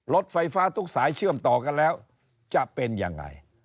รถไฟฟ้าทุกสายเชื่อมต่อกันแล้วจะเป็นยังไง